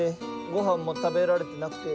ごはんも食べられてなくて。